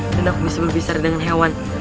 dan aku bisa berpisah dengan hewan